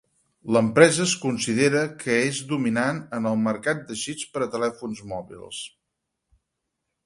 L'empresa es considera que és dominant en el mercat de xips per a telèfons mòbils.